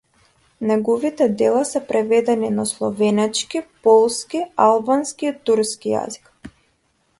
Негови дела се преведени на словенечки, полски, албански и турски јазик.